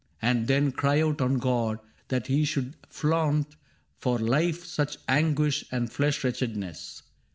And then cry out on God that he should flaunt For life such anguish and flesh wretchedness.